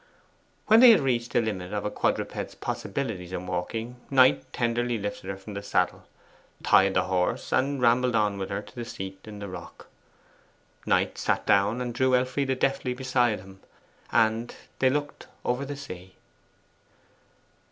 When they had reached the limit of a quadruped's possibilities in walking, Knight tenderly lifted her from the saddle, tied the horse, and rambled on with her to the seat in the rock. Knight sat down, and drew Elfride deftly beside him, and they looked over the sea.